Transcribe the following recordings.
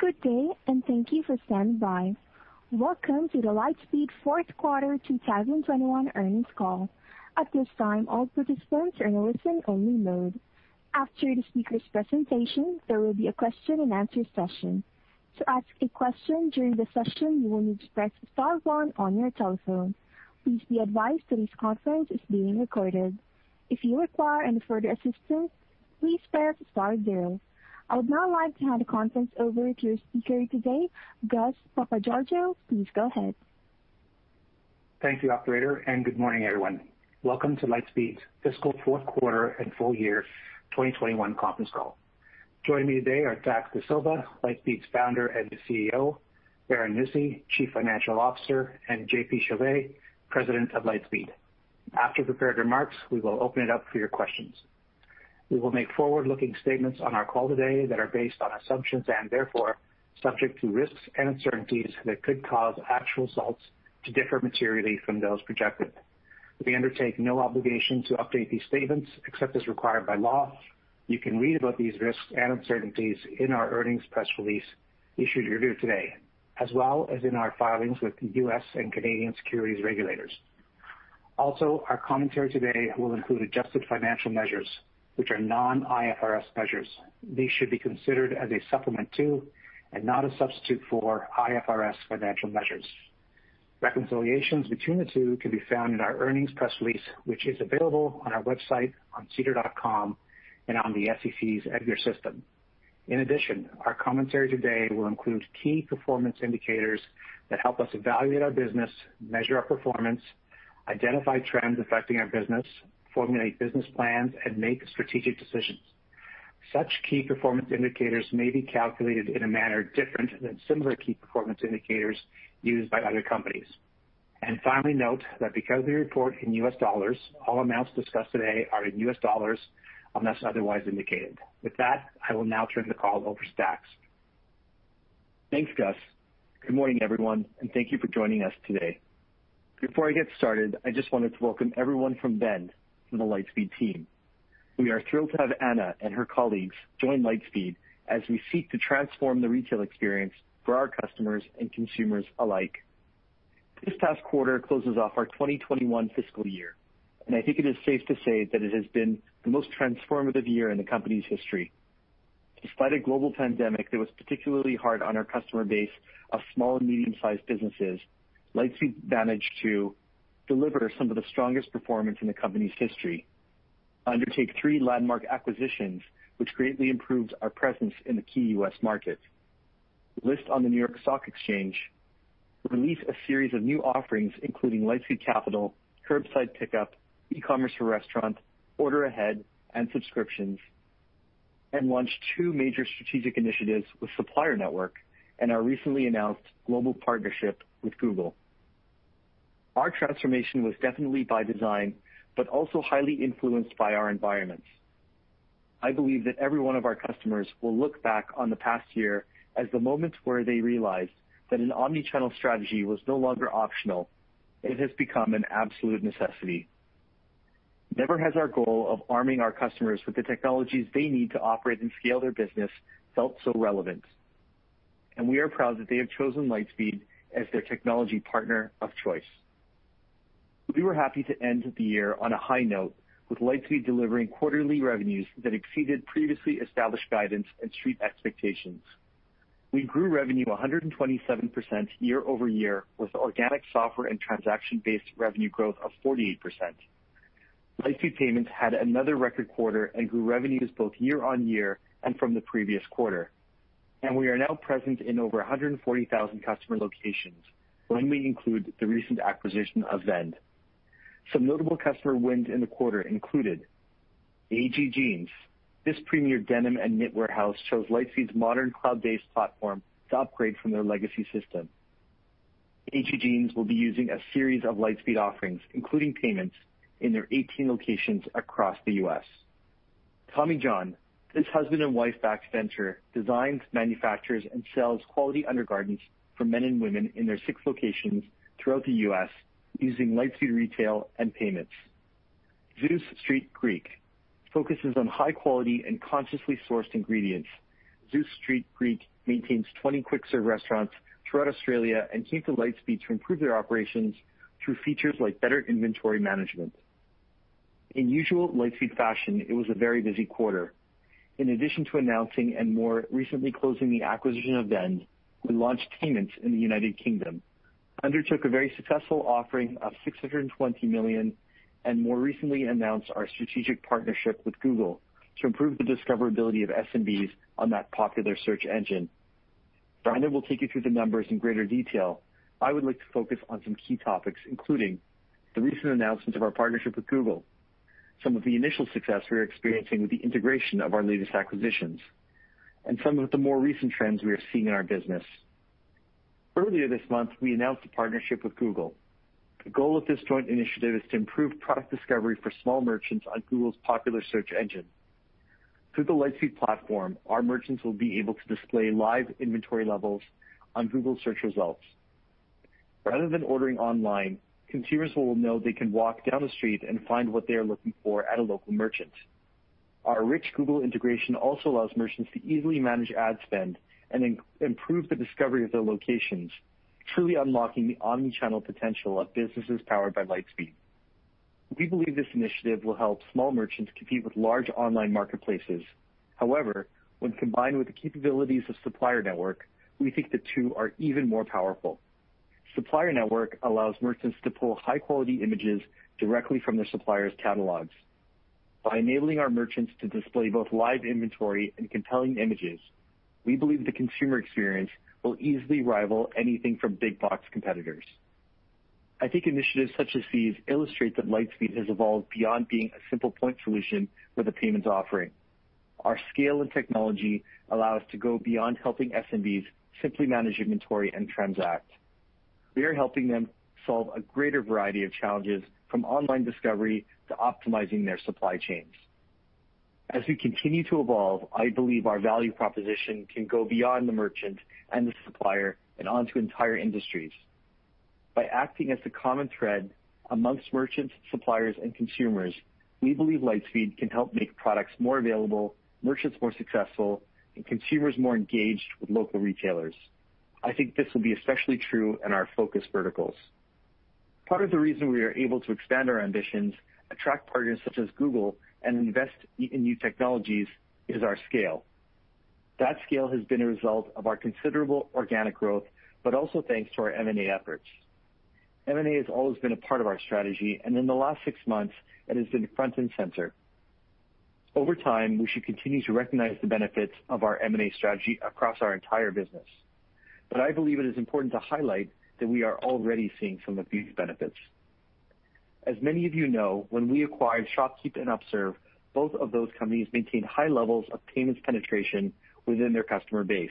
Welcome to the Lightspeed fourth quarter 2021 earnings call. At this time all participants are listen-only mode. After the presentation, there will be a question-and-answer session. To ask a question during the session, you will need to press star one on your telephone. Please be advise that this call is being recorded. If you require any further assistance, please press star zero. I would now like to hand the conference over to your speaker today, Gus Papageorgiou. Please go ahead. Thank you, operator, and good morning, everyone. Welcome to Lightspeed's fiscal fourth quarter and full year 2021 conference call. Joining me today are Dax Dasilva, Lightspeed's Founder and CEO, Brandon Nussey, Chief Financial Officer, and JP Chauvet, President of Lightspeed. After prepared remarks, we will open it up for your questions. We will make forward-looking statements on our call today that are based on assumptions and therefore subject to risks and uncertainties that could cause actual results to differ materially from those projected. We undertake no obligation to update these statements except as required by law. You can read about these risks and uncertainties in our earnings press release issued earlier today, as well as in our filings with the U.S. and Canadian securities regulators. Our commentary today will include adjusted financial measures, which are non-IFRS measures. These should be considered as a supplement to and not a substitute for IFRS financial measures. Reconciliations between the two can be found in our earnings press release, which is available on our website, on sedar.com and on the SEC's EDGAR system. Our commentary today will include key performance indicators that help us evaluate our business, measure our performance, identify trends affecting our business, formulate business plans, and make strategic decisions. Such key performance indicators may be calculated in a manner different than similar key performance indicators used by other companies. Note that because we report in U.S. dollars, all amounts discussed today are in U.S. dollars unless otherwise indicated. With that, I will now turn the call over to Dax. Thanks, Gus. Good morning, everyone, and thank you for joining us today. Before I get started, I just wanted to welcome everyone from Vend from the Lightspeed team. We are thrilled to have Anna and her colleagues join Lightspeed as we seek to transform the retail experience for our customers and consumers alike. This past quarter closes off our 2021 fiscal year, and I think it is safe to say that it has been the most transformative year in the company's history. Despite a global pandemic that was particularly hard on our customer base of small and medium-sized businesses, Lightspeed managed to deliver some of the strongest performance in the company's history, undertake three landmark acquisitions, which greatly improved our presence in the key U.S. market, list on the New York Stock Exchange, release a series of new offerings, including Lightspeed Capital, curbside pickup, e-commerce for restaurants, order ahead, and subscriptions, and launch two major strategic initiatives with Supplier Network and our recently announced global partnership with Google. Our transformation was definitely by design, but also highly influenced by our environment. I believe that every one of our customers will look back on the past year as the moment where they realized that an omni-channel strategy was no longer optional. It has become an absolute necessity. Never has our goal of arming our customers with the technologies they need to operate and scale their business felt so relevant, and we are proud that they have chosen Lightspeed as their technology partner of choice. We were happy to end the year on a high note, with Lightspeed delivering quarterly revenues that exceeded previously established guidance and Street expectations. We grew revenue 127% year-over-year, with organic software and transaction-based revenue growth of 48%. Lightspeed Payments had another record quarter and grew revenues both year-on-year and from the previous quarter. We are now present in over 140,000 customer locations when we include the recent acquisition of Vend. Some notable customer wins in the quarter included AG Jeans. This premier denim and knit warehouse chose Lightspeed's modern cloud-based platform to upgrade from their legacy system. AG Jeans will be using a series of Lightspeed offerings, including Payments, in their 18 locations across the U.S. Tommy John, this husband-and-wife-backed venture designs, manufactures, and sells quality undergarments for men and women in their six locations throughout the U.S. using Lightspeed Retail and Payments. Zeus Street Greek focuses on high quality and consciously sourced ingredients. Zeus Street Greek maintains 20 quick-serve restaurants throughout Australia and came to Lightspeed to improve their operations through features like better inventory management. In usual Lightspeed fashion, it was a very busy quarter. In addition to announcing and more recently closing the acquisition of Vend, we launched Payments in the U.K., undertook a very successful offering of $620 million, and more recently announced our strategic partnership with Google to improve the discoverability of SMBs on that popular search engine. Brandon will take you through the numbers in greater detail. I would like to focus on some key topics, including the recent announcement of our partnership with Google, some of the initial success we are experiencing with the integration of our latest acquisitions, and some of the more recent trends we are seeing in our business. Earlier this month, we announced a partnership with Google. The goal of this joint initiative is to improve product discovery for small merchants on Google's popular search engine. Through the Lightspeed platform, our merchants will be able to display live inventory levels on Google search results. Rather than ordering online, consumers will know they can walk down the street and find what they are looking for at a local merchant. Our rich Google integration also allows merchants to easily manage ad spend and improve the discovery of their locations, truly unlocking the omni-channel potential of businesses powered by Lightspeed. We believe this initiative will help small merchants compete with large online marketplaces. However, when combined with the capabilities of Supplier Network, we think the two are even more powerful. Supplier Network allows merchants to pull high-quality images directly from their suppliers' catalogs. By enabling our merchants to display both live inventory and compelling images, we believe the consumer experience will easily rival anything from big box competitors. I think initiatives such as these illustrate that Lightspeed has evolved beyond being a simple point solution with a payments offering. Our scale and technology allow us to go beyond helping SMBs simply manage inventory and transact. We are helping them solve a greater variety of challenges from online discovery to optimizing their supply chains. As we continue to evolve, I believe our value proposition can go beyond the merchant and the supplier and onto entire industries. By acting as the common thread amongst merchants, suppliers, and consumers, we believe Lightspeed can help make products more available, merchants more successful, and consumers more engaged with local retailers. I think this will be especially true in our focus verticals. Part of the reason we are able to expand our ambitions, attract partners such as Google, and invest in new technologies is our scale. That scale has been a result of our considerable organic growth, but also thanks to our M&A efforts. M&A has always been a part of our strategy, and in the last six months, it has been front and center. Over time, we should continue to recognize the benefits of our M&A strategy across our entire business. I believe it is important to highlight that we are already seeing some of these benefits. As many of you know, when we acquired ShopKeep and Upserve, both of those companies maintained high levels of payments penetration within their customer base.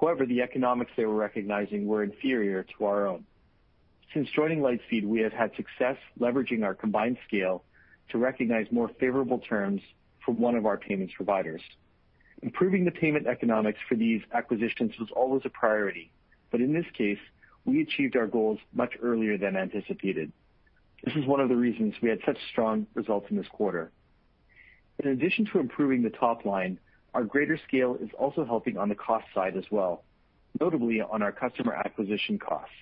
The economics they were recognizing were inferior to our own. Since joining Lightspeed, we have had success leveraging our combined scale to recognize more favorable terms from one of our payments providers. Improving the payment economics for these acquisitions was always a priority, but in this case, we achieved our goals much earlier than anticipated. This is one of the reasons we had such strong results in this quarter. In addition to improving the top line, our greater scale is also helping on the cost side as well, notably on our customer acquisition costs.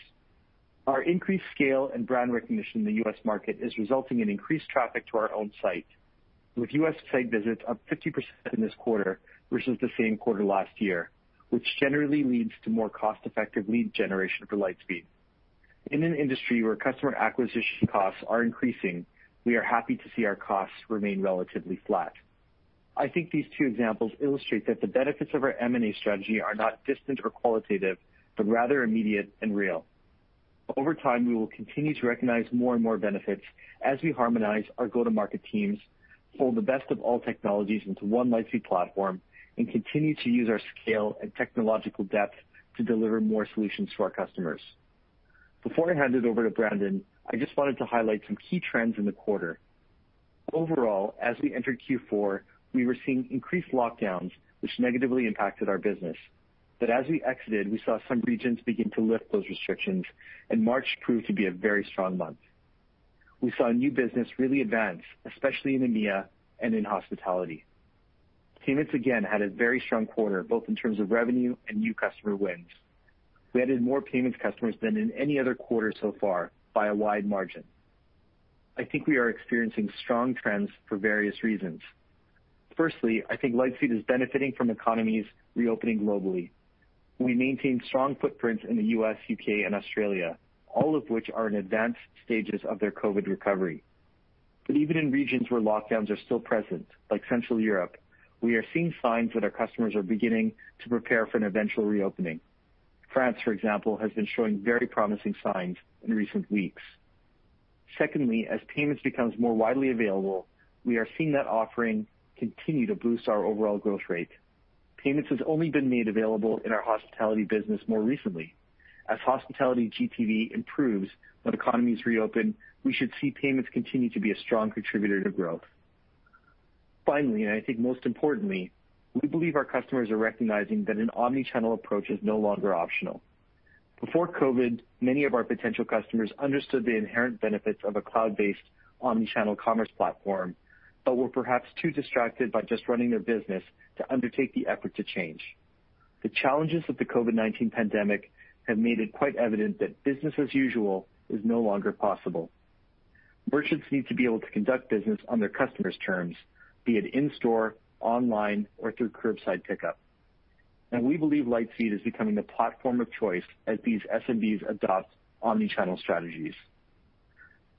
Our increased scale and brand recognition in the U.S. market is resulting in increased traffic to our own site, with U.S. site visits up 50% in this quarter versus the same quarter last year, which generally leads to more cost-effective lead generation for Lightspeed. In an industry where customer acquisition costs are increasing, we are happy to see our costs remain relatively flat. I think these two examples illustrate that the benefits of our M&A strategy are not distant or qualitative, but rather immediate and real. Over time, we will continue to recognize more and more benefits as we harmonize our go-to-market teams, fold the best of all technologies into one Lightspeed platform, and continue to use our scale and technological depth to deliver more solutions to our customers. Before I hand it over to Brandon, I just wanted to highlight some key trends in the quarter. Overall, as we entered Q4, we were seeing increased lockdowns, which negatively impacted our business. As we exited, we saw some regions begin to lift those restrictions, and March proved to be a very strong month. We saw new business really advance, especially in EMEA and in hospitality. Payments again had a very strong quarter, both in terms of revenue and new customer wins. We added more payments customers than in any other quarter so far by a wide margin. I think we are experiencing strong trends for various reasons. Firstly, I think Lightspeed is benefiting from economies reopening globally. We maintain strong footprints in the U.S., U.K., and Australia, all of which are in advanced stages of their COVID recovery. Even in regions where lockdowns are still present, like Central Europe, we are seeing signs that our customers are beginning to prepare for an eventual reopening. France, for example, has been showing very promising signs in recent weeks. Secondly, as Payments becomes more widely available, we are seeing that offering continue to boost our overall growth rate. Payments has only been made available in our hospitality business more recently. As hospitality GTV improves when economies reopen, we should see Payments continue to be a strong contributor to growth. Finally, and I think most importantly, we believe our customers are recognizing that an omni-channel approach is no longer optional. Before COVID, many of our potential customers understood the inherent benefits of a cloud-based omni-channel commerce platform but were perhaps too distracted by just running their business to undertake the effort to change. The challenges of the COVID-19 pandemic have made it quite evident that business as usual is no longer possible. Merchants need to be able to conduct business on their customers' terms, be it in-store, online, or through curbside pickup. We believe Lightspeed is becoming the platform of choice as these SMBs adopt omni-channel strategies.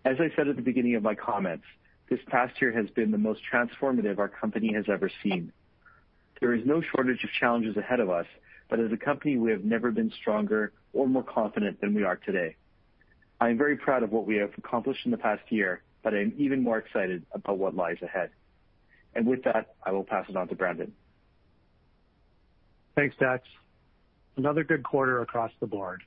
As I said at the beginning of my comments, this past year has been the most transformative our company has ever seen. There is no shortage of challenges ahead of us, but as a company, we have never been stronger or more confident than we are today. I am very proud of what we have accomplished in the past year, but I am even more excited about what lies ahead. With that, I will pass it on to Brandon. Thanks, Dax. Another good quarter across the board.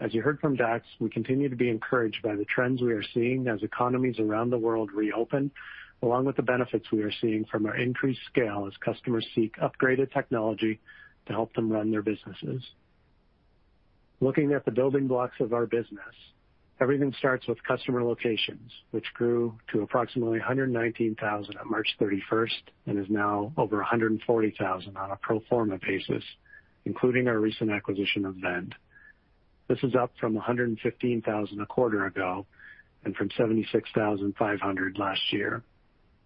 As you heard from Dax, we continue to be encouraged by the trends we are seeing as economies around the world reopen, along with the benefits we are seeing from our increased scale as customers seek upgraded technology to help them run their businesses. Looking at the building blocks of our business, everything starts with customer locations, which grew to approximately 119,000 on March 31st and is now over 140,000 on a pro forma basis, including our recent acquisition of Vend. This is up from 115,000 a quarter ago and from 76,500 last year.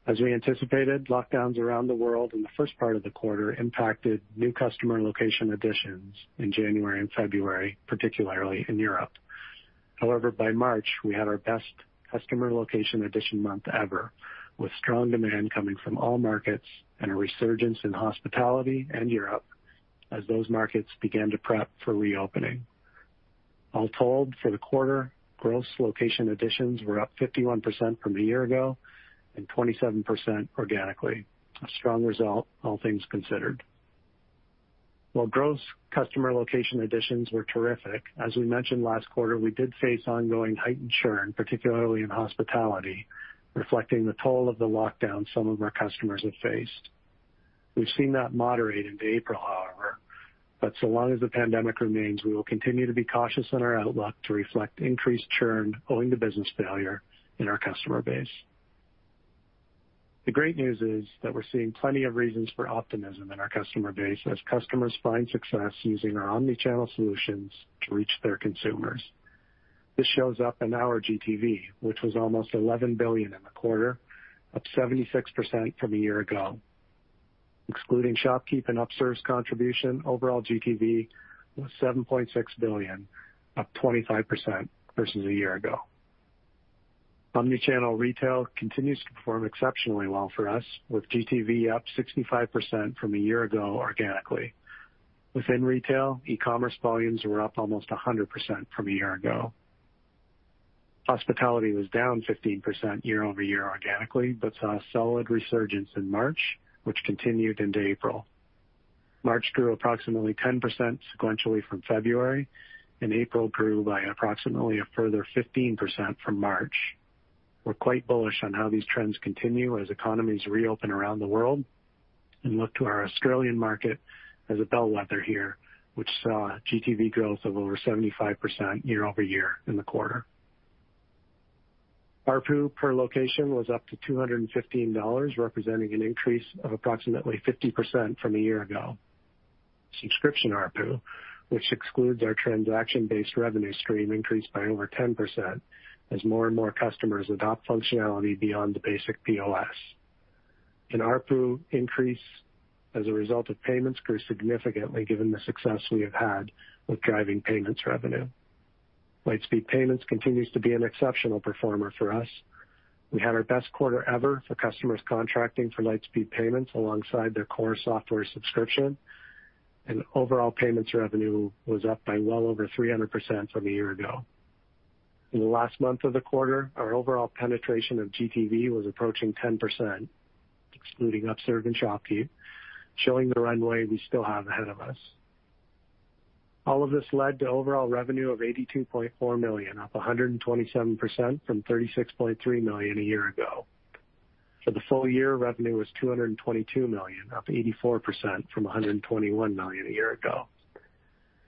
As we anticipated, lockdowns around the world in the first part of the quarter impacted new customer location additions in January and February, particularly in Europe. However, by March, we had our best customer location addition month ever, with strong demand coming from all markets and a resurgence in hospitality and Europe as those markets began to prep for reopening. All told, for the quarter, gross location additions were up 51% from a year ago and 27% organically. A strong result, all things considered. While gross customer location additions were terrific, as we mentioned last quarter, we did face ongoing heightened churn, particularly in hospitality, reflecting the toll of the lockdown some of our customers have faced. We've seen that moderate into April, however, but so long as the pandemic remains, we will continue to be cautious in our outlook to reflect increased churn owing to business failure in our customer base. The great news is that we're seeing plenty of reasons for optimism in our customer base as customers find success using our omni-channel solutions to reach their consumers. This shows up in our GTV, which was almost $11 billion in the quarter, up 76% from a year ago. Excluding ShopKeep and Upserve's contribution, overall GTV was $7.6 billion, up 25% versus a year ago. Omni-channel retail continues to perform exceptionally well for us, with GTV up 65% from a year ago organically. Within retail, e-commerce volumes were up almost 100% from a year ago. Hospitality was down 15% year-over-year organically, but saw a solid resurgence in March, which continued into April. March grew approximately 10% sequentially from February. April grew by approximately a further 15% from March. We're quite bullish on how these trends continue as economies reopen around the world, and look to our Australian market as a bellwether here, which saw GTV growth of over 75% year-over-year in the quarter. ARPU per location was up to $215, representing an increase of approximately 50% from a year ago. Subscription ARPU, which excludes our transaction-based revenue stream, increased by over 10% as more and more customers adopt functionality beyond the basic POS. An ARPU increase as a result of payments grew significantly given the success we have had with driving payments revenue. Lightspeed Payments continues to be an exceptional performer for us. We had our best quarter ever for customers contracting for Lightspeed Payments alongside their core software subscription, and overall payments revenue was up by well over 300% from a year ago. In the last month of the quarter, our overall penetration of GTV was approaching 10%, excluding Upserve and ShopKeep, showing the runway we still have ahead of us. All of this led to overall revenue of $82.4 million, up 127% from $36.3 million a year ago. For the full year, revenue was $222 million, up 84% from $121 million a year ago.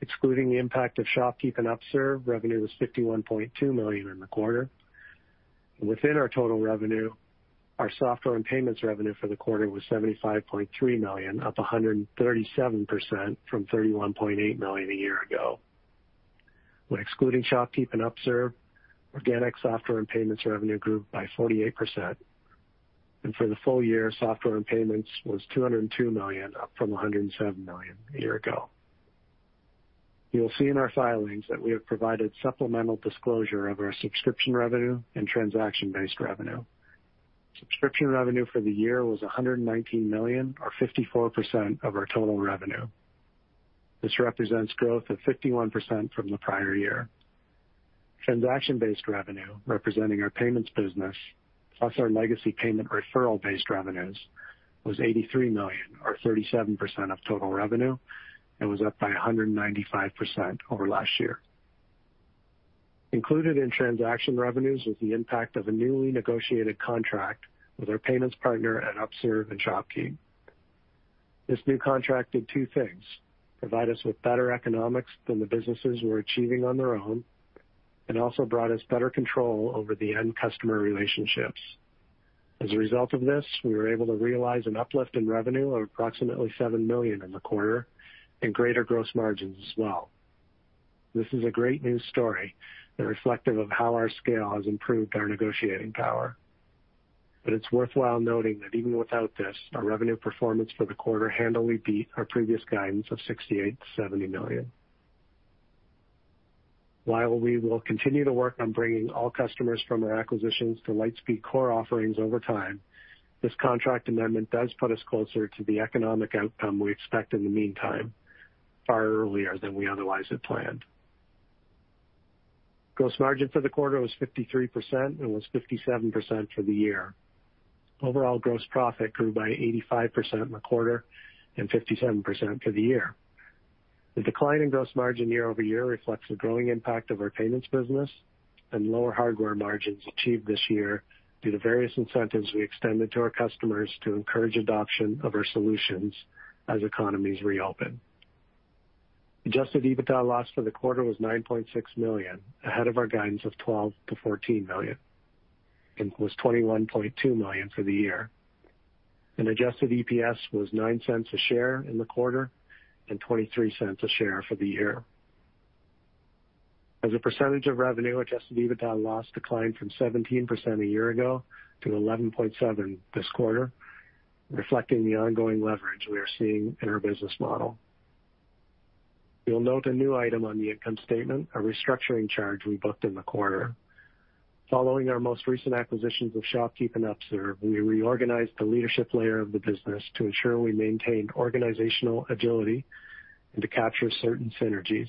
Excluding the impact of ShopKeep and Upserve, revenue was $51.2 million in the quarter. Within our total revenue, our software and payments revenue for the quarter was $75.3 million, up 137% from $31.8 million a year ago. When excluding ShopKeep and Upserve, organic software and payments revenue grew by 48%, and for the full year, software and payments was $202 million, up from $107 million a year ago. You will see in our filings that we have provided supplemental disclosure of our subscription revenue and transaction-based revenue. Subscription revenue for the year was $119 million, or 54% of our total revenue. This represents growth of 51% from the prior year. Transaction-based revenue, representing our payments business, plus our legacy payment referral-based revenues, was $83 million, or 37% of total revenue, and was up by 195% over last year. Included in transaction revenues was the impact of a newly negotiated contract with our payments partner at Upserve and ShopKeep. This new contract did two things, provide us with better economics than the businesses were achieving on their own, and also brought us better control over the end customer relationships. As a result of this, we were able to realize an uplift in revenue of approximately $7 million in the quarter and greater gross margins as well. This is a great new story and reflective of how our scale has improved our negotiating power. It is worthwhile noting that even without this, our revenue performance for the quarter handily beat our previous guidance of $68 million-$70 million. While we will continue to work on bringing all customers from our acquisitions to Lightspeed core offerings over time, this contract amendment does put us closer to the economic outcome we expect in the meantime, far earlier than we otherwise had planned. Gross margin for the quarter was 53%, and was 57% for the year. Overall gross profit grew by 85% in the quarter and 57% for the year. The decline in gross margin year-over-year reflects the growing impact of our payments business and lower hardware margins achieved this year due to various incentives we extended to our customers to encourage adoption of our solutions as economies reopen. Adjusted EBITDA loss for the quarter was $9.6 million, ahead of our guidance of $12 million-$14 million, and was $21.2 million for the year. Adjusted EPS was $0.09 a share in the quarter, and $0.23 a share for the year. As a percentage of revenue, Adjusted EBITDA loss declined from 17% a year ago to 11.7% this quarter, reflecting the ongoing leverage we are seeing in our business model. You'll note a new item on the income statement, a restructuring charge we booked in the quarter. Following our most recent acquisitions of ShopKeep and Upserve, we reorganized the leadership layer of the business to ensure we maintained organizational agility and to capture certain synergies.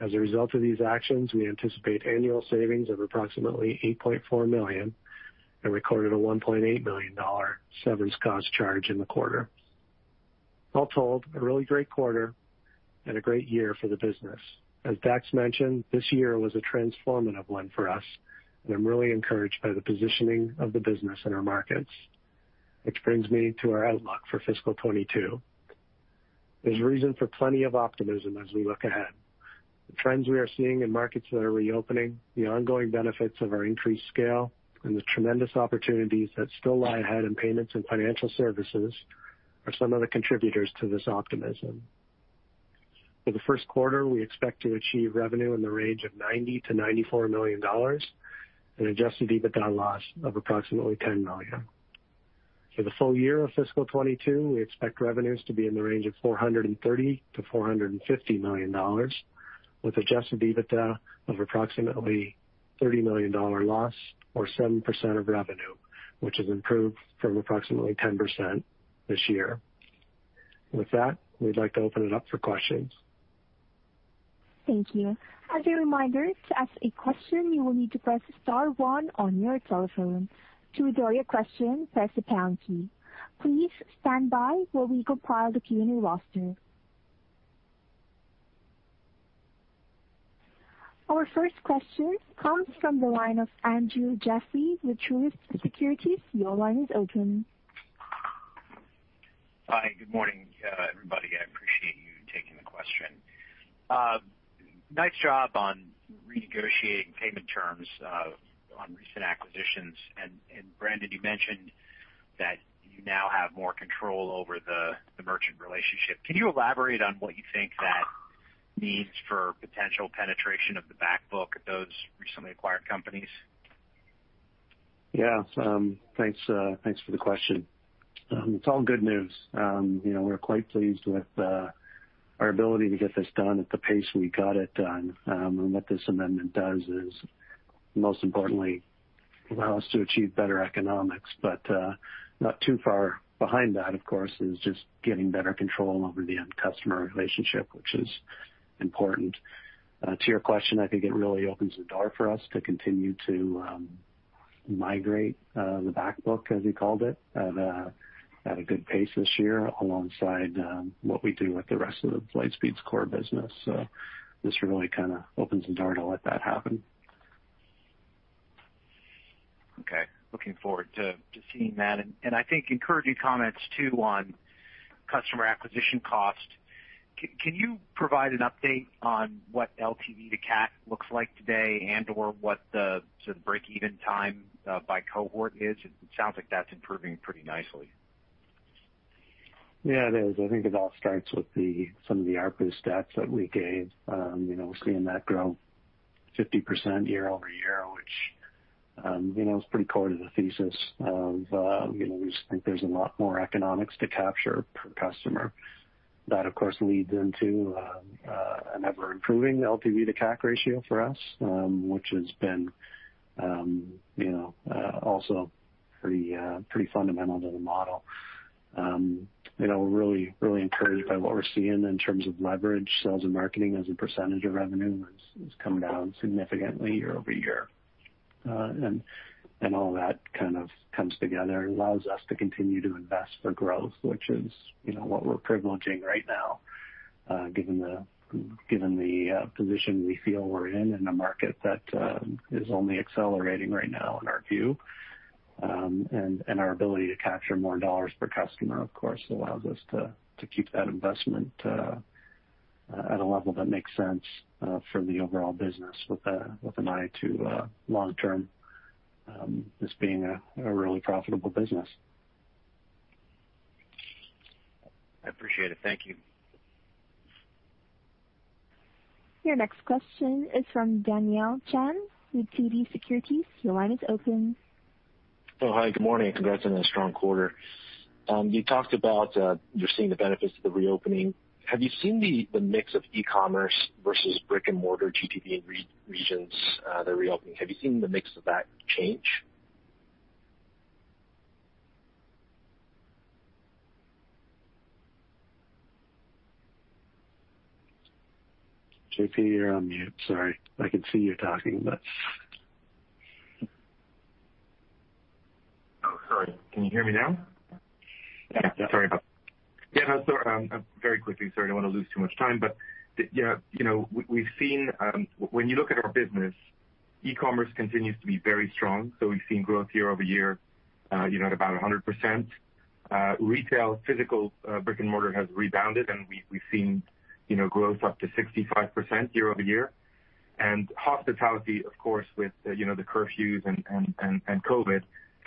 As a result of these actions, we anticipate annual savings of approximately $8.4 million and recorded a $1.8 million severance cost charge in the quarter. All told, a really great quarter and a great year for the business. As Dax mentioned, this year was a transformative one for us, and I'm really encouraged by the positioning of the business in our markets, which brings me to our outlook for fiscal 2022. There's reason for plenty of optimism as we look ahead. The trends we are seeing in markets that are reopening, the ongoing benefits of our increased scale, and the tremendous opportunities that still lie ahead in payments and financial services are some of the contributors to this optimism. For the first quarter, we expect to achieve revenue in the range of $90 million-$94 million and Adjusted EBITDA loss of approximately $10 million. For the full year of fiscal 2022, we expect revenues to be in the range of $430 million-$450 million, with Adjusted EBITDA of approximately $30 million loss or 7% of revenue, which is improved from approximately 10% this year. With that, we'd like to open it up for questions. Thank you. As a reminder to ask a question you will need to press star one on your telephone to withdrew your question press the pound key. Please stand by while we compile the queue on your roster. Our first question comes from the line of Andrew Jeffrey with Truist Securities. Hi, good morning everybody. I appreciate you taking the question. Nice job on renegotiating payment terms on recent acquisitions. Brandon, you mentioned that you now have more control over the merchant relationship. Can you elaborate on what you think that means for potential penetration of the back book at those recently acquired companies? Yeah. Thanks for the question. It's all good news. We're quite pleased with our ability to get this done at the pace we got it done. What this amendment does is, most importantly, allow us to achieve better economics. Not too far behind that, of course, is just getting better control over the end customer relationship, which is important. To your question, I think it really opens the door for us to continue to migrate the back book, as you called it, at a good pace this year alongside what we do with the rest of the Lightspeed's core business. This really kind of opens the door to let that happen. Okay. Looking forward to seeing that. I think encouraging comments too on customer acquisition cost. Can you provide an update on what LTV to CAC looks like today and/or what the sort of breakeven time by cohort is? It sounds like that's improving pretty nicely. Yeah, it is. I think it all starts with some of the ARPU stats that we gave. We're seeing that grow 50% year-over-year, which is pretty core to the thesis of we just think there's a lot more economics to capture per customer. That, of course, leads into an ever-improving LTV to CAC ratio for us, which has been also pretty fundamental to the model. Really encouraged by what we're seeing in terms of leverage. Sales and marketing as a percentage of revenue has come down significantly year-over-year. All that kind of comes together and allows us to continue to invest for growth, which is what we're privileging right now, given the position we feel we're in in a market that is only accelerating right now in our view. Our ability to capture more dollars per customer, of course, allows us to keep that investment at a level that makes sense for the overall business with an eye to long term this being a really profitable business. I appreciate it. Thank you. Your next question is from Daniel Chan with TD Securities. Your line is open. Oh, hi. Good morning, and congrats on a strong quarter. You talked about you're seeing the benefits of the reopening. Have you seen the mix of e-commerce versus brick and mortar GTV in regions that are reopening, have you seen the mix of that change? JP, you're on mute. Sorry. I can see you talking, but Sorry, can you hear me now? Yeah. Sorry about that. Yeah, very quickly. Sorry, I don't want to lose too much time. We've seen, when you look at our business, e-commerce continues to be very strong. We've seen growth year-over-year at about 100%. Retail, physical brick and mortar has rebounded, and we've seen growth up to 65% year-over-year. Hospitality, of course, with the curfews and COVID, have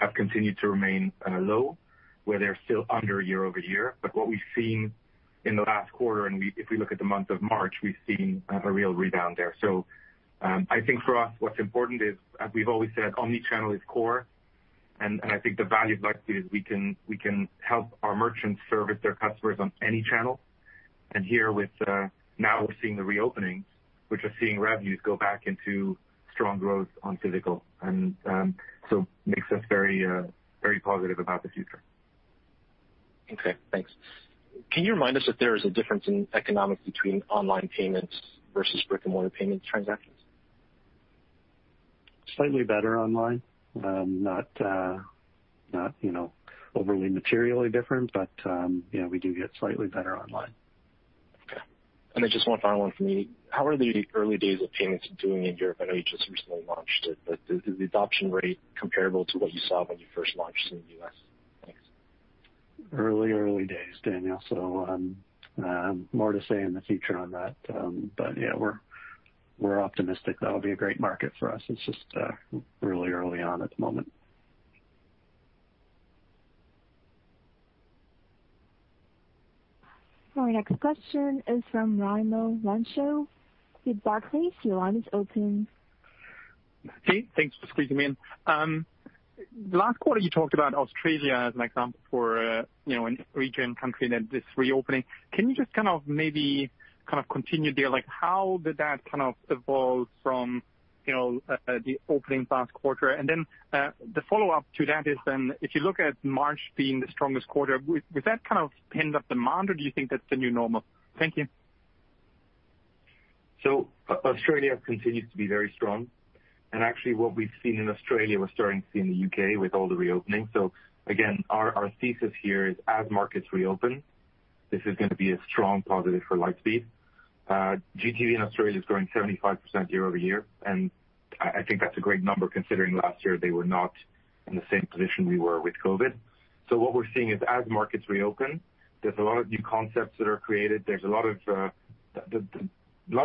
continued to remain low, where they're still under year-over-year. What we've seen in the last quarter, and if we look at the month of March, we've seen a real rebound there. I think for us, what's important is, as we've always said, omni-channel is core, and I think the value of Lightspeed is we can help our merchants service their customers on any channel. Here now we're seeing the reopenings, which are seeing revenues go back into strong growth on physical. Makes us very positive about the future. Okay, thanks. Can you remind us if there is a difference in economics between online payments versus brick and mortar payment transactions? Slightly better online. Not overly materially different, but we do get slightly better online. Okay. Just one final one from me. How are the early days of payments doing in Europe? I know you just recently launched it, but is the adoption rate comparable to what you saw when you first launched in the U.S.? Thanks. Early days, Daniel. More to say in the future on that. Yeah, we're optimistic that'll be a great market for us. It's just really early on at the moment. Our next question is from Raimo Lenschow with Barclays. Your line is open. Hey, thanks for squeezing me in. Last quarter you talked about Australia as an example for a region, country that is reopening. Can you just maybe continue there, like how did that evolve from the opening last quarter? The follow-up to that is then if you look at March being the strongest quarter, was that kind of pent-up demand or do you think that's the new normal? Thank you. Australia continues to be very strong, and actually what we've seen in Australia, we're starting to see in the U.K. with all the reopenings. Again, our thesis here is as markets reopen, this is going to be a strong positive for Lightspeed. GTV in Australia is growing 75% year-over-year, and I think that's a great number considering last year they were not in the same position we were with COVID. What we're seeing is as markets reopen, there's a lot of new concepts that are created. There's a lot of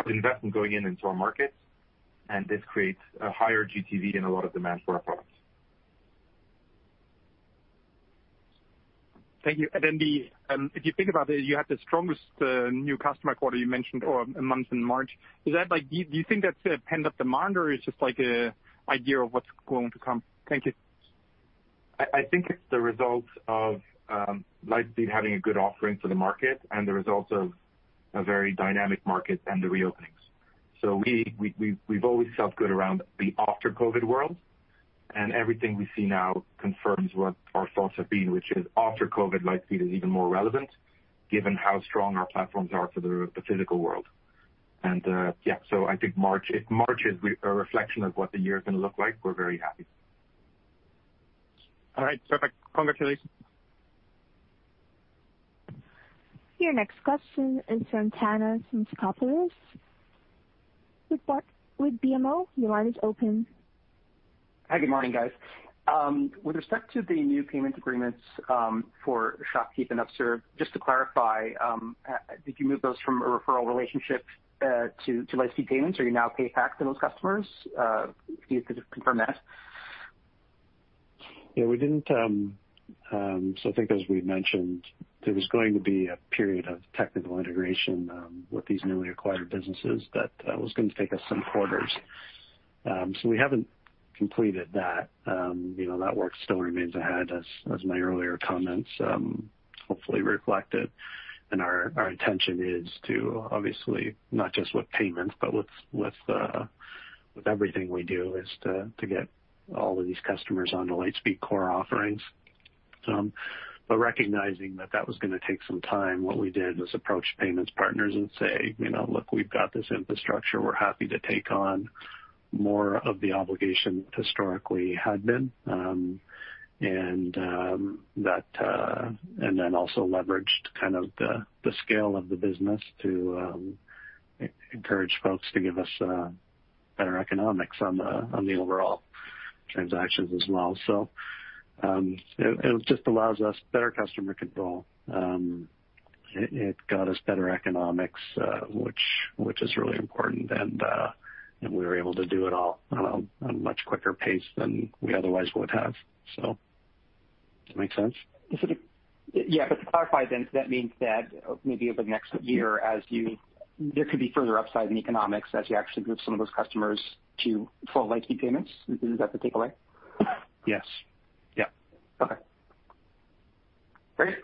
investment going into our markets, and this creates a higher GTV and a lot of demand for our products. Thank you. If you think about it, you had the strongest new customer quarter you mentioned, or month in March. Do you think that's a pent-up demand or is it just like an idea of what's going to come? Thank you. I think it's the result of Lightspeed having a good offering for the market and the result of a very dynamic market and the reopenings. We've always felt good around the after-COVID world, and everything we see now confirms what our thoughts have been, which is after COVID, Lightspeed is even more relevant given how strong our platforms are for the physical world. Yeah, I think if March is a reflection of what the year is going to look like, we're very happy. All right, perfect. Congratulations. Your next question is from Thanos Moschopoulos with BMO Capital Markets. Your line is open. Hi, good morning, guys. With respect to the new payment agreements for ShopKeep and Upserve, just to clarify, did you move those from a referral relationship to Lightspeed Payments? Are you now PayFac to those customers? If you could just confirm that. We didn't. I think as we've mentioned, there was going to be a period of technical integration with these newly acquired businesses that was going to take us some quarters. We haven't completed that. That work still remains ahead as my earlier comments hopefully reflected. Our intention is to obviously, not just with payments, but with everything we do, is to get all of these customers onto Lightspeed core offerings. Recognizing that that was going to take some time, what we did was approach payments partners and say, "Look, we've got this infrastructure. We're happy to take on more of the obligation that historically had been." Also leveraged kind of the scale of the business to encourage folks to give us better economics on the overall transactions as well. It just allows us better customer control. It got us better economics, which is really important, and we were able to do it all on a much quicker pace than we otherwise would have. Does that make sense? Yeah, to clarify then, that means that maybe over the next year, there could be further upside in economics as you actually move some of those customers to full Lightspeed Payments? Is that the takeaway? Yes. Yeah. Okay. Great.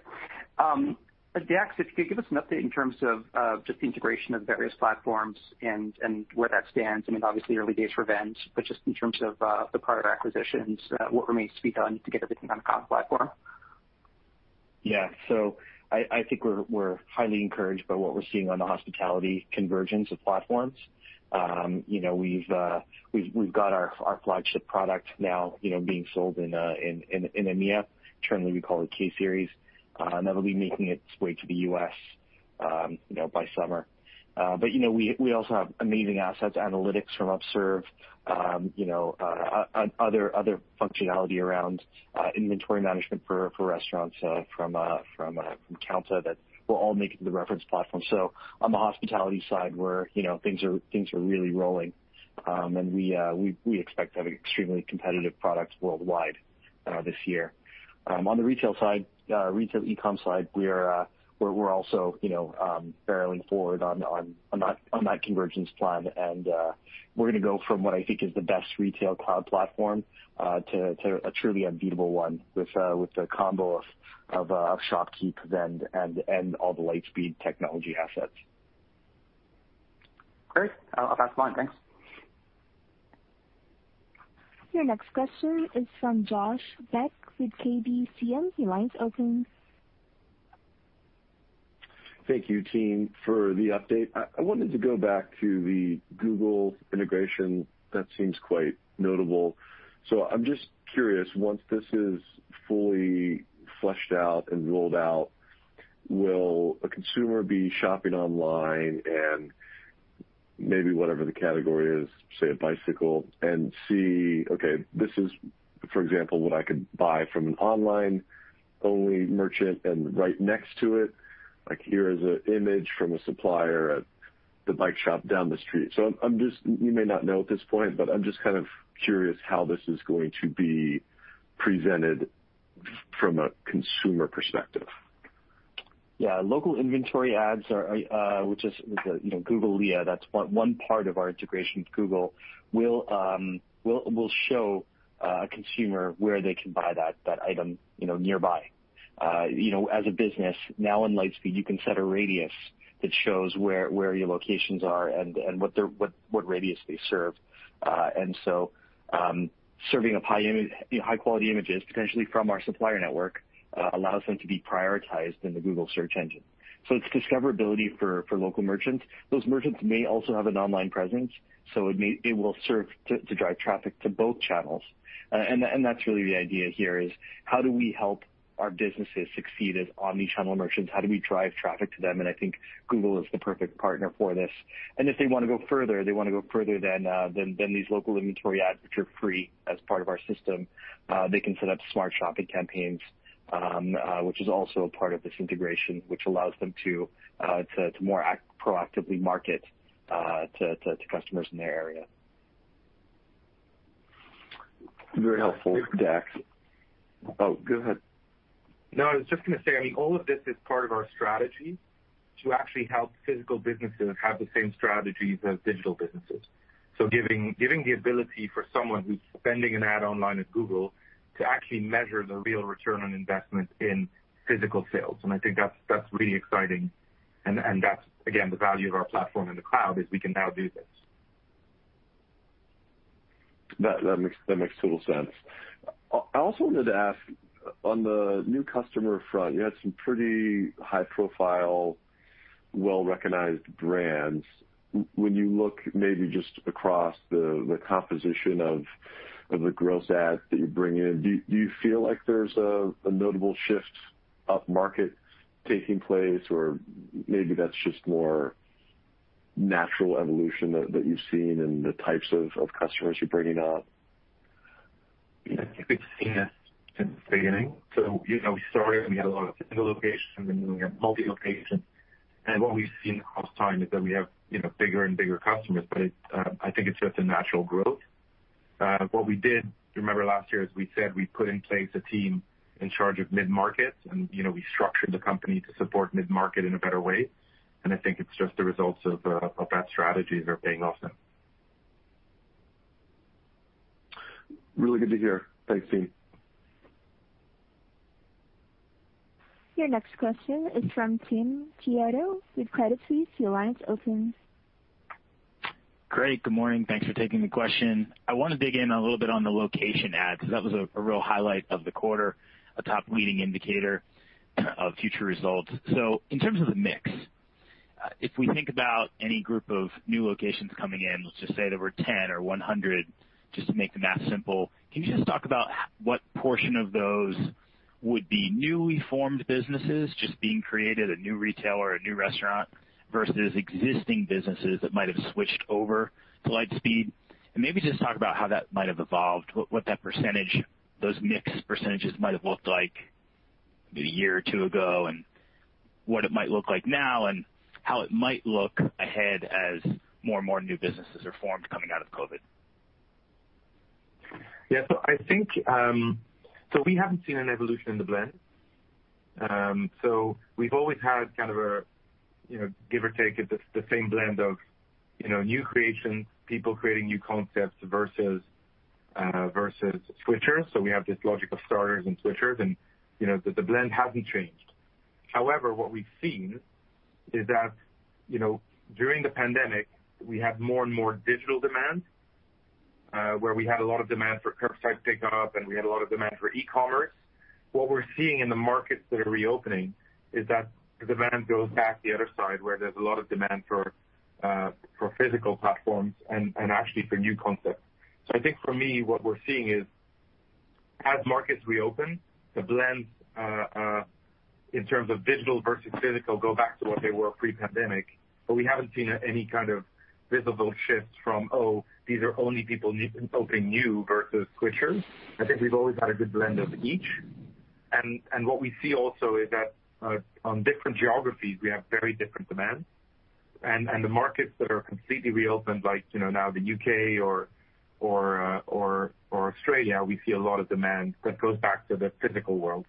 Dax, if you could give us an update in terms of just the integration of various platforms and where that stands. I mean, obviously early days for Vend, but just in terms of the prior acquisitions, what remains to be done to get everything on a common platform? Yeah. I think we're highly encouraged by what we're seeing on the hospitality convergence of platforms. We've got our flagship product now being sold in EMEA, internally we call it K-Series, and that'll be making its way to the U.S. by summer. We also have amazing assets, analytics from Upserve, other functionality around inventory management for restaurants from Kounta that will all make it to the reference platform. On the hospitality side, things are really rolling, and we expect to have extremely competitive products worldwide this year. On the retail e-com side, we're also barreling forward on that convergence plan, and we're going to go from what I think is the best retail cloud platform, to a truly unbeatable one with the combo of ShopKeep and all the Lightspeed technology assets. Great. I'll pass the line. Thanks. Your next question is from Josh Beck with KeyBanc Capital Markets. Your line is open. Thank you team for the update. I wanted to go back to the Google integration. That seems quite notable. I'm just curious, once this is fully fleshed out and rolled out, will a consumer be shopping online and maybe whatever the category is, say a bicycle, and see, okay, this is, for example, what I could buy from an online-only merchant, and right next to it, here is an image from a supplier at the bike shop down the street. You may not know at this point, but I'm just kind of curious how this is going to be presented from a consumer perspective. Local Inventory Ads, which is Google LIA, that's one part of our integration with Google, will show a consumer where they can buy that item nearby. As a business now on Lightspeed, you can set a radius that shows where your locations are and what radius they serve. Serving up high-quality images, potentially from our Lightspeed Supplier Network, allows them to be prioritized in the Google search engine. It's discoverability for local merchants. Those merchants may also have an online presence, it will serve to drive traffic to both channels. That's really the idea here, is how do we help our businesses succeed as omnichannel merchants? How do we drive traffic to them? I think Google is the perfect partner for this. If they want to go further, they want to go further than these Local Inventory Ads, which are free as part of our system, they can set up smart shopping campaigns, which is also a part of this integration, which allows them to more proactively market to customers in their area. Very helpful, Dax. Oh, go ahead. No, I was just going to say, I mean, all of this is part of our strategy to actually help physical businesses have the same strategies as digital businesses. Giving the ability for someone who's spending an ad online at Google to actually measure the real return on investment in physical sales. I think that's really exciting, and that's, again, the value of our platform in the cloud, is we can now do this. That makes total sense. I also wanted to ask, on the new customer front, you had some pretty high profile, well-recognized brands. When you look maybe just across the composition of the gross adds that you bring in, do you feel like there's a notable shift up market taking place? Or maybe that's just more natural evolution that you've seen in the types of customers you're bringing on? I think we've seen it since the beginning. We started, we had a lot of single locations, then we had multi locations. What we've seen across time is that we have bigger and bigger customers. I think it's just a natural growth. What we did, if you remember last year, is we said we put in place a team in charge of mid-markets, we structured the company to support mid-market in a better way. I think it's just the results of that strategy are paying off now. Really good to hear. Thanks, team. Your next question is from Timothy Chiodo with Credit Suisse. Your line is open. Great. Good morning. Thanks for taking the question. I want to dig in a little bit on the location ads, because that was a real highlight of the quarter, a top leading indicator of future results. In terms of the mix, if we think about any group of new locations coming in, let's just say there were 10 or 100 just to make the math simple, can you just talk about what portion of those would be newly formed businesses just being created, a new retailer, a new restaurant, versus existing businesses that might have switched over to Lightspeed? Maybe just talk about how that might have evolved, what that percentage, those mix percentages might have looked like maybe a year or two ago, and what it might look like now, and how it might look ahead as more and more new businesses are formed coming out of COVID-19. Yeah. We haven't seen an evolution in the blend. We've always had kind of a, give or take, the same blend of new creation, people creating new concepts versus switchers. We have this logic of starters and switchers, and the blend hasn't changed. However, what we've seen is that during the pandemic, we had more and more digital demand. Where we had a lot of demand for curbside pickup, and we had a lot of demand for e-commerce. What we're seeing in the markets that are reopening is that the demand goes back the other side, where there's a lot of demand for physical platforms and actually for new concepts. I think for me, what we're seeing is as markets reopen, the blends in terms of digital versus physical go back to what they were pre-pandemic, but we haven't seen any kind of visible shifts from, these are only people opening new versus switchers. I think we've always had a good blend of each. What we see also is that on different geographies, we have very different demands. The markets that are completely reopened, like now the U.K. or Australia, we see a lot of demand that goes back to the physical world.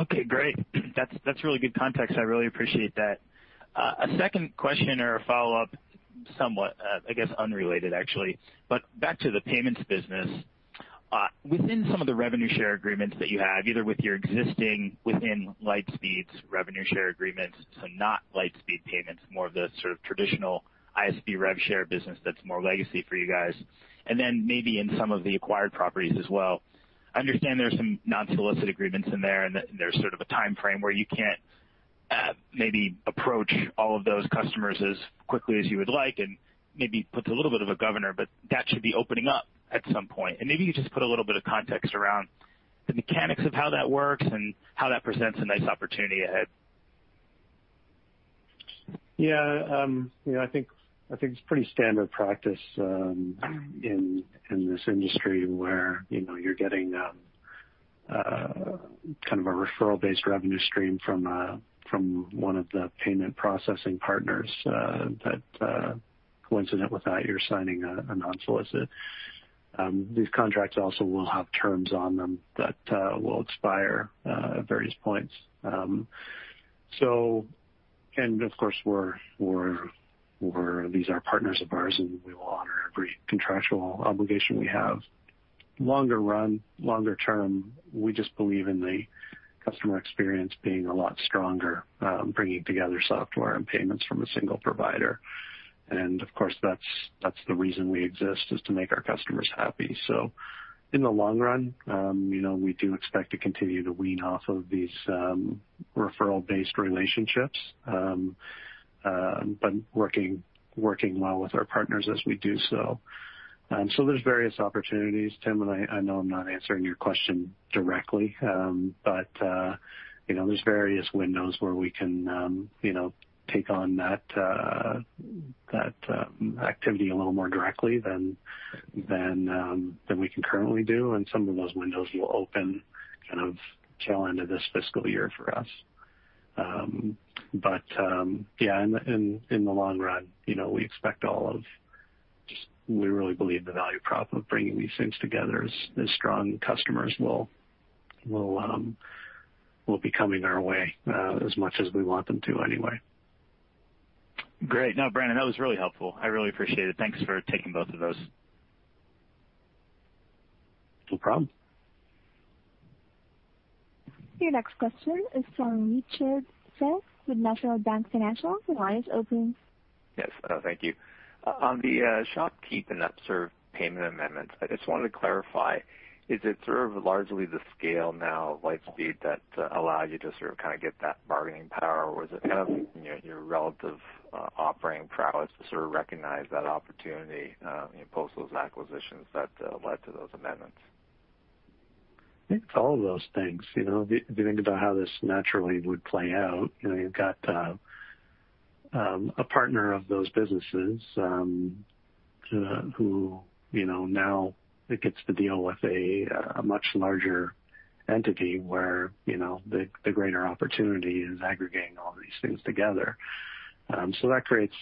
Okay, great. That's really good context. I really appreciate that. A second question or a follow-up, somewhat, I guess, unrelated, actually. Back to the payments business. Within some of the revenue share agreements that you have, either with your existing within Lightspeed's revenue share agreements, so not Lightspeed Payments, more of the sort of traditional ISO rev share business that's more legacy for you guys, and then maybe in some of the acquired properties as well. I understand there's some non-solicit agreements in there, and there's sort of a timeframe where you can't maybe approach all of those customers as quickly as you would like and maybe puts a little bit of a governor, but that should be opening up at some point. Maybe you just put a little bit of context around the mechanics of how that works and how that presents a nice opportunity ahead. Yeah. I think it's pretty standard practice in this industry where you're getting kind of a referral-based revenue stream from one of the payment processing partners, but coincident with that, you're signing a non-solicit. These contracts also will have terms on them that will expire at various points. Of course, these are partners of ours, and we will honor every contractual obligation we have. Longer run, longer term, we just believe in the customer experience being a lot stronger, bringing together software and payments from a single provider. Of course, that's the reason we exist, is to make our customers happy. In the long run, we do expect to continue to wean off of these referral-based relationships, but working well with our partners as we do so. There's various opportunities, Tim, and I know I'm not answering your question directly. There's various windows where we can take on that activity a little more directly than we can currently do, and some of those windows will open kind of tail end of this fiscal year for us. Yeah, in the long run, we really believe the value prop of bringing these things together is strong. Customers will be coming our way as much as we want them to anyway. Great. No, Brandon, that was really helpful. I really appreciate it. Thanks for taking both of those. No problem. Your next question is from Richard Tse with National Bank Financial. Yes. Thank you. On the ShopKeep and Upserve payment amendments, I just wanted to clarify, is it sort of largely the scale now of Lightspeed that allow you to sort of get that bargaining power? Is it kind of your relative operating prowess to sort of recognize that opportunity post those acquisitions that led to those amendments? I think it's all of those things. If you think about how this naturally would play out, you've got a partner of those businesses who now gets to deal with a much larger entity where the greater opportunity is aggregating all these things together. That creates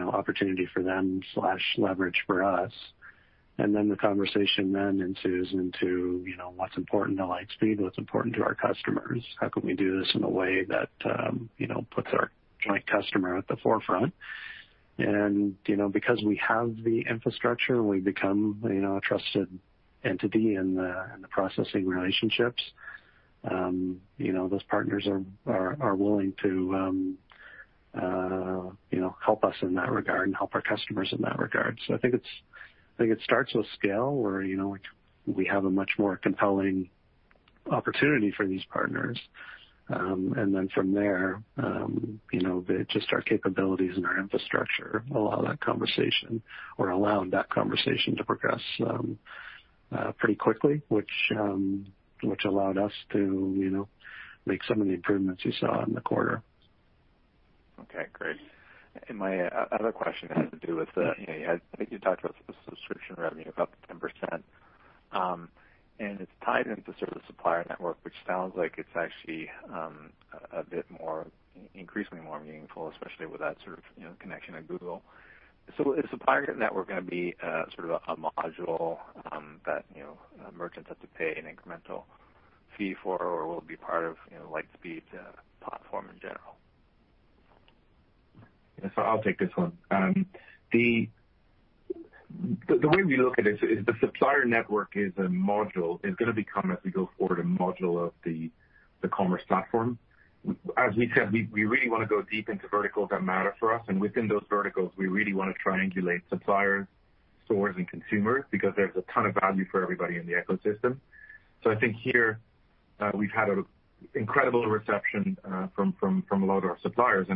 opportunity for them/leverage for us. The conversation then ensues into what's important to Lightspeed and what's important to our customers. How can we do this in a way that puts our joint customer at the forefront? Because we have the infrastructure, we become a trusted entity in the processing relationships. Those partners are willing to help us in that regard and help our customers in that regard. I think it starts with scale, where we have a much more compelling opportunity for these partners. Then from there, just our capabilities and our infrastructure allow that conversation or allowed that conversation to progress pretty quickly, which allowed us to make some of the improvements you saw in the quarter. Okay, great. My other question has to do with I think you talked about subscription revenue up 10%, and it's tied into sort of the Supplier Network, which sounds like it's actually increasingly more meaningful, especially with that sort of connection at Google. Is the Supplier Network going to be sort of a module that merchants have to pay an incremental fee for, or will it be part of Lightspeed's platform in general? I'll take this one. The way we look at it is the Lightspeed Supplier Network is a module, is going to become, as we go forward, a module of the Lightspeed Commerce platform. As we said, we really want to go deep into verticals that matter for us. Within those verticals, we really want to triangulate suppliers, stores, and consumers because there's a ton of value for everybody in the ecosystem. I think here, we've had incredible reception from a lot of our suppliers.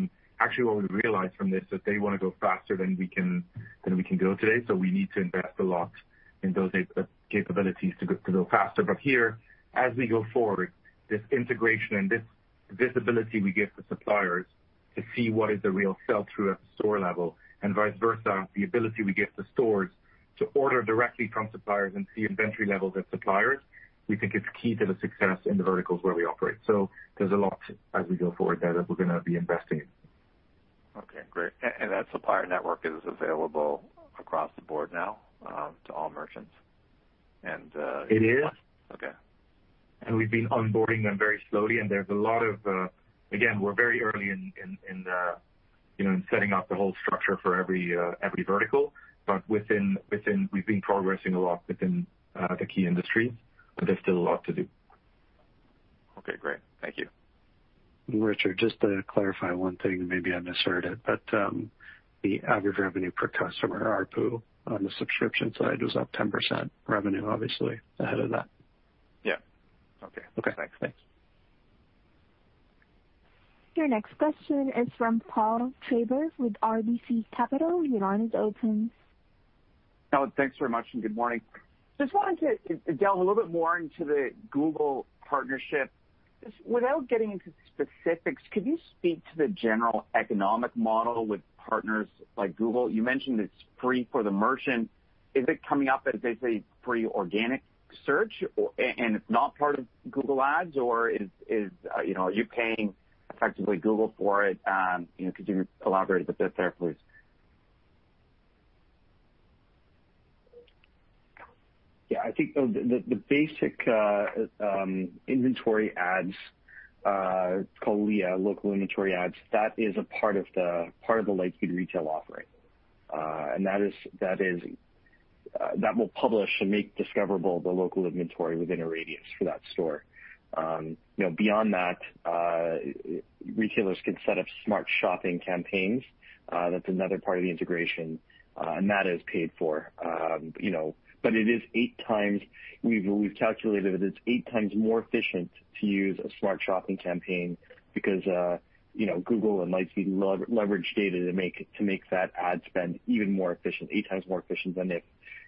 Actually, what we've realized from this is that they want to go faster than we can go today. We need to invest a lot in those capabilities to go faster. Here, as we go forward, this integration and this visibility we give to suppliers to see what is the real sell-through at the store level and vice versa, the ability we give to stores to order directly from suppliers and see inventory levels at suppliers, we think is key to the success in the verticals where we operate. There's a lot as we go forward there that we're going to be investing in. Okay, great. That Supplier Network is available across the board now to all merchants. It is. Okay. We've been onboarding them very slowly. Again, we're very early in setting up the whole structure for every vertical. We've been progressing a lot within the key industries, but there's still a lot to do. Okay, great. Thank you. Richard Tse, just to clarify one thing, maybe I misheard it, but the average revenue per customer, ARPU, on the subscription side was up 10%, revenue obviously ahead of that. Yeah. Okay. Okay. Thanks. Thanks. Your next question is from Paul Treiber with RBC Capital Markets. Your line is open. Paul, thanks very much. Good morning. Just wanted to delve a little bit more into the Google partnership. Just without getting into specifics, could you speak to the general economic model with partners like Google? You mentioned it's free for the merchant. Is it coming up as basically free organic search, and it's not part of Google Ads? Are you paying effectively Google for it? Could you elaborate a bit there, please? Yeah, I think the basic inventory ads, called LIA, local inventory ads, that is a part of the Lightspeed Retail offering. That will publish and make discoverable the local inventory within a radius for that store. Beyond that, retailers can set up smart shopping campaigns. That's another part of the integration, and that is paid for. We've calculated that it's 8x more efficient to use a smart shopping campaign because Google and Lightspeed leverage data to make that ad spend even more efficient, 8x more efficient than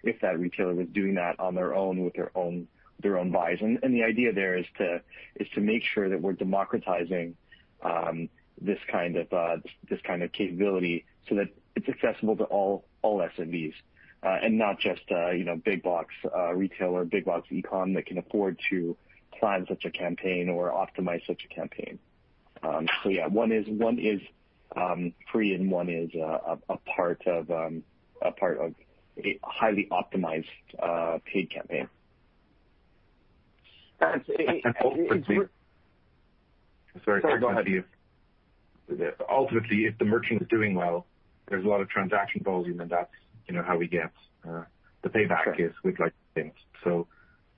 if that retailer was doing that on their own with their own buys. The idea there is to make sure that we're democratizing this kind of capability so that it's accessible to all SMBs and not just big box retailer, big box e-com that can afford to plan such a campaign or optimize such a campaign. Yeah, one is free and one is a part of a highly optimized paid campaign. And ultimately- Sorry, go ahead. Sorry to cut you. Ultimately, if the merchant is doing well, there's a lot of transaction volume, and that's how we get the payback is with Lightspeed.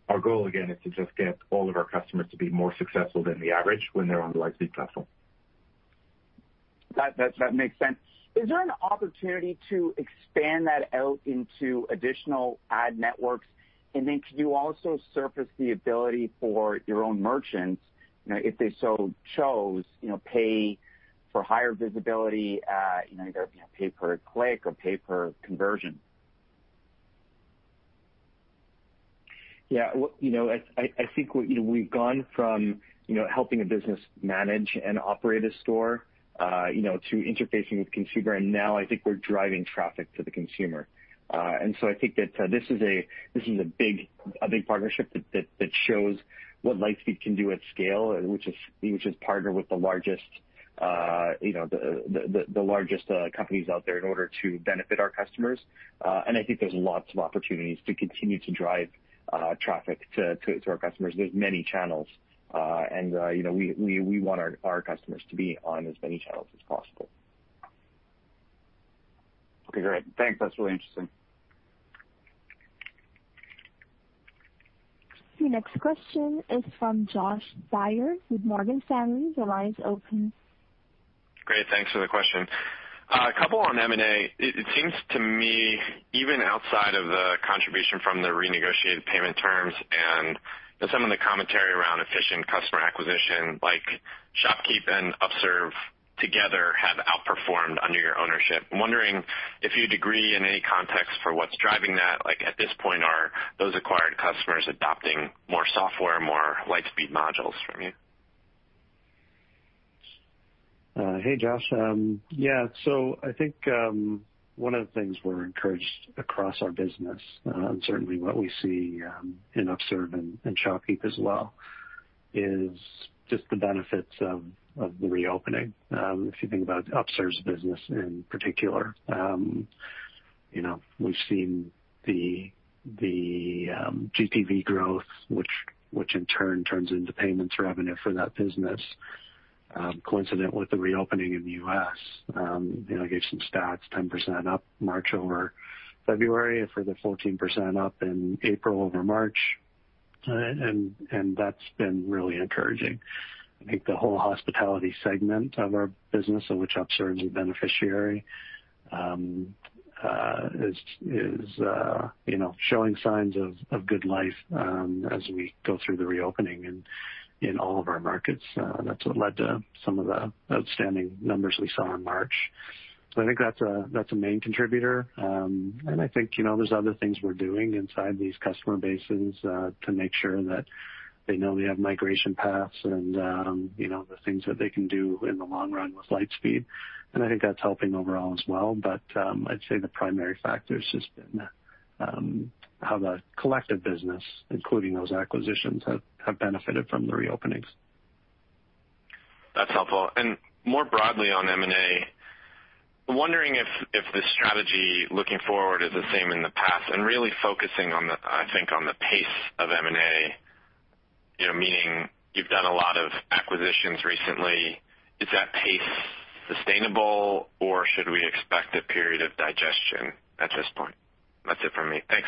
Our goal again is to just get all of our customers to be more successful than the average when they're on the Lightspeed platform. That makes sense. Is there an opportunity to expand that out into additional ad networks? Could you also surface the ability for your own merchants, if they so chose, pay for higher visibility, either pay per click or pay per conversion? I think we've gone from helping a business manage and operate a store to interfacing with consumer, and now I think we're driving traffic to the consumer. I think that this is a big partnership that shows what Lightspeed can do at scale, which is partner with the largest companies out there in order to benefit our customers. I think there's lots of opportunities to continue to drive traffic to our customers. There's many channels, and we want our customers to be on as many channels as possible. Okay, great. Thanks. That's really interesting. Your next question is from Josh Baer with Morgan Stanley. Your line is open. Great, thanks for the question. A couple on M&A. It seems to me, even outside of the contribution from the renegotiated payment terms and some of the commentary around efficient customer acquisition, like ShopKeep and Upserve together have outperformed under your ownership. I'm wondering if you'd agree in any context for what's driving that. At this point, are those acquired customers adopting more software, more Lightspeed modules from you? Hey, Josh. Yeah. I think one of the things we're encouraged across our business, and certainly what we see in Upserve and ShopKeep as well, is just the benefits of the reopening. If you think about Upserve's business in particular, we've seen the GPV growth, which in turn turns into payments revenue for that business. Coincident with the reopening in the U.S. I gave some stats, 10% up March over February, a further 14% up in April over March. That's been really encouraging. I think the whole hospitality segment of our business, of which Upserve is a beneficiary, is showing signs of good life as we go through the reopening in all of our markets. That's what led to some of the outstanding numbers we saw in March. I think that's a main contributor. I think there's other things we're doing inside these customer bases to make sure that they know they have migration paths and the things that they can do in the long run with Lightspeed. I think that's helping overall as well. I'd say the primary factor has just been how the collective business, including those acquisitions, have benefited from the reopenings. That's helpful. More broadly on M&A, wondering if the strategy looking forward is the same in the past and really focusing, I think, on the pace of M&A, meaning you've done a lot of acquisitions recently. Is that pace sustainable, or should we expect a period of digestion at this point? That's it for me. Thanks.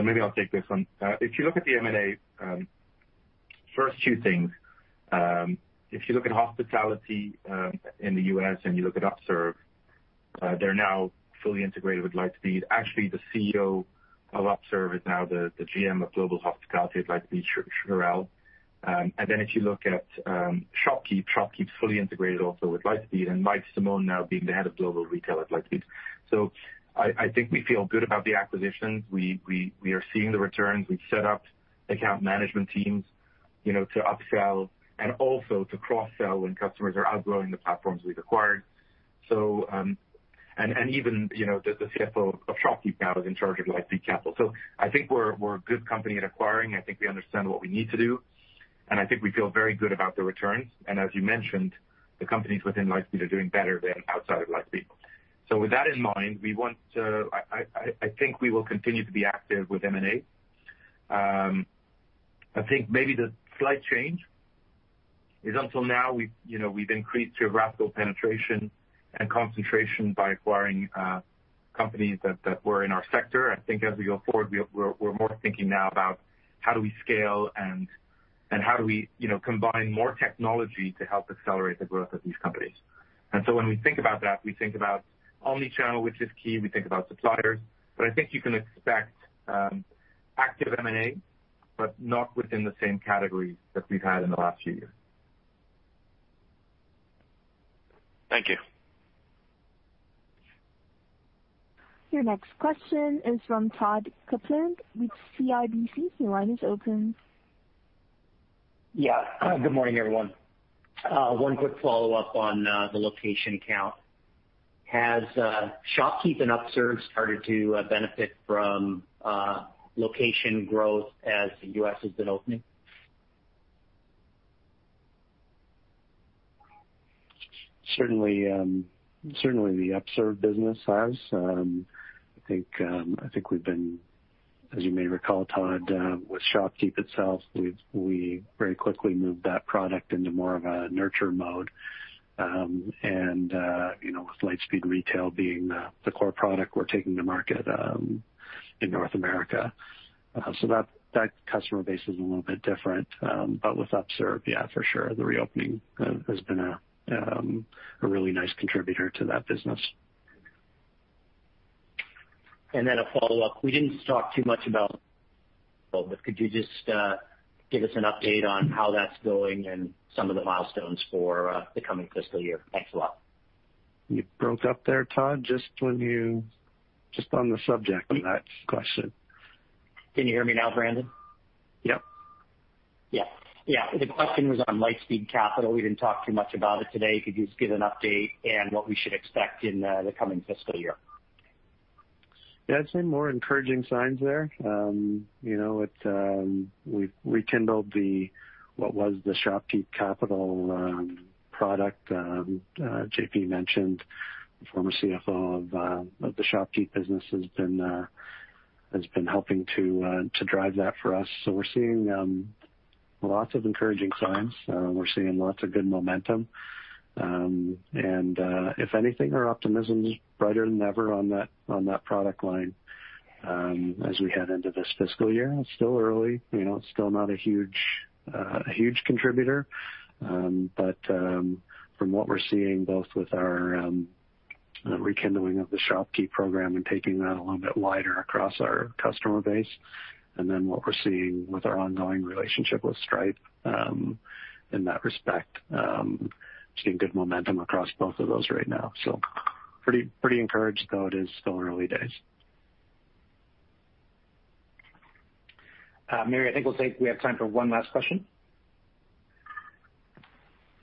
Maybe I'll take this one. If you look at the M&A, first two things. If you look at hospitality in the U.S. and you look at Upserve, they're now fully integrated with Lightspeed. Actually, the CEO of Upserve is now the GM of Global Hospitality at Lightspeed, Sheryl Hoskins. If you look at ShopKeep's fully integrated also with Lightspeed, and Mike Stevens now being the Head of Global Retail at Lightspeed. I think we feel good about the acquisitions. We are seeing the returns. We've set up account management teams to upsell and also to cross-sell when customers are outgrowing the platforms we've acquired. Even the CFO of ShopKeep now is in charge of Lightspeed Capital. I think we're a good company at acquiring. I think we understand what we need to do, and I think we feel very good about the returns. As you mentioned, the companies within Lightspeed are doing better than outside of Lightspeed. With that in mind, I think we will continue to be active with M&A. I think maybe the slight change is until now, we've increased geographical penetration and concentration by acquiring companies that were in our sector. As we go forward, we're more thinking now about how do we scale and how do we combine more technology to help accelerate the growth of these companies. When we think about that, we think about omnichannel, which is key. We think about suppliers. I think you can expect active M&A, but not within the same categories that we've had in the last few years. Thank you. Your next question is from Todd Coupland with CIBC Capital Markets. Your line is open. Yeah. Good morning, everyone. One quick follow-up on the location count. Has ShopKeep and Upserve started to benefit from location growth as the U.S. has been opening? Certainly the Upserve business has. I think we've been, as you may recall, Todd, with ShopKeep itself, we very quickly moved that product into more of a nurture mode. With Lightspeed Retail being the core product we're taking to market in North America. That customer base is a little bit different. With Upserve, yeah for sure, the reopening has been a really nice contributor to that business. A follow-up. Could you just give us an update on how that's going and some of the milestones for the coming fiscal year? Thanks a lot. You broke up there, Todd, just on the subject on that question. Can you hear me now, Brandon? Yep. Yeah. The question was on Lightspeed Capital. We didn't talk too much about it today. Could you just give an update and what we should expect in the coming fiscal year? Yeah. I'd say more encouraging signs there. We've rekindled what was the ShopKeep Capital product. JP mentioned the former CFO of the ShopKeep business has been helping to drive that for us. We're seeing lots of encouraging signs. We're seeing lots of good momentum. If anything, our optimism is brighter than ever on that product line as we head into this fiscal year. It's still early. It's still not a huge contributor. From what we're seeing, both with our rekindling of the ShopKeep program and taking that a little bit wider across our customer base, and then what we're seeing with our ongoing relationship with Stripe in that respect, seeing good momentum across both of those right now. Pretty encouraged, though it is still early days. Mary, I think we have time for one last question.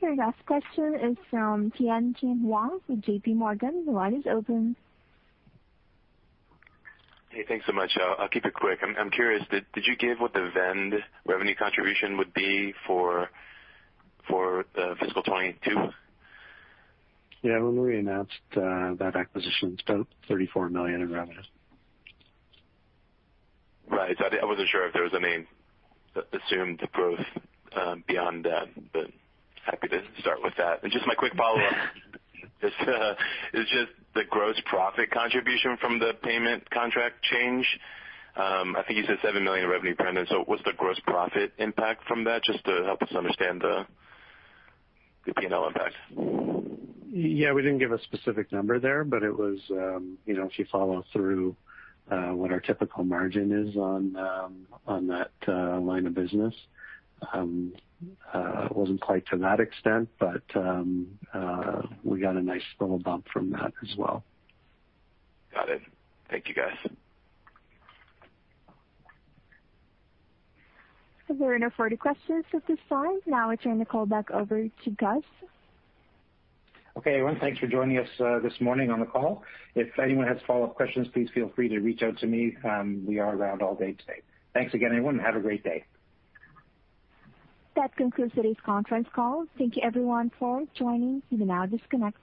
Your last question is from Tien-Tsin Huang with JPMorgan. The line is open. Hey, thanks so much. I'll keep it quick. I'm curious, did you give what the Vend revenue contribution would be for fiscal 2022? Yeah. When we announced that acquisition, it's about $34 million in revenue. Right. I wasn't sure if there was any assumed growth beyond that, but happy to start with that. Just my quick follow-up is just the gross profit contribution from the payment contract change. I think you said $7 million in revenue, Brandon. What's the gross profit impact from that, just to help us understand the P&L impact? Yeah, we didn't give a specific number there, but if you follow through what our typical margin is on that line of business, it wasn't quite to that extent, but we got a nice little bump from that as well. Got it. Thank you, guys. There are no further questions at this time. I turn the call back over to Gus. Okay, everyone. Thanks for joining us this morning on the call. If anyone has follow-up questions, please feel free to reach out to me. We are around all day today. Thanks again, everyone. Have a great day. That concludes today's conference call. Thank you everyone for joining. You may now disconnect your line.